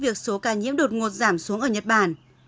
việc số ca nhiễm đột ngột giảm xuống ở nhật bản